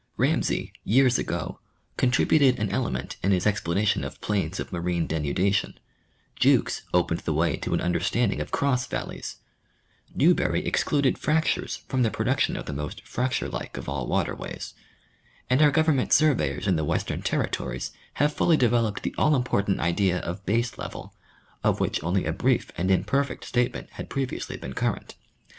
Ram say years ago contributed an element in his explanation of plains of marine denudation ; Jukes opened the way to an understand ing of cross valleys ; Newberry excluded fractures from the pro duction of the most fracture like of all water ways ; and our government surveyors in the western territories have fully devel oped the all important idea of base level, of which only a brief and imperfect statement had previously been current.